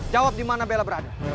jawab di mana bella berada